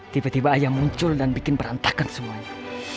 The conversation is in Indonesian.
tiba tiba aja muncul dan bikin perantakan semuanya